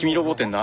何？